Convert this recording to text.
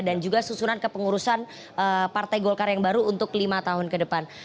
dan juga susunan kepengurusan partai golkar yang baru untuk lima tahun ke depan